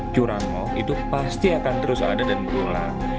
curangmu itu pasti akan terus ada dan berulang